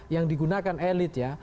yang digunakan elit ya